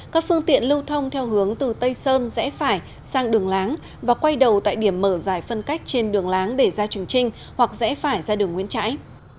các phương tiện lưu thông theo hướng từ tây sơn rẽ phải sang đường láng và quay đầu tại điểm mở dài phân cách trên đường láng để ra trường trinh hoặc rẽ phải ra đường nguyễn trãi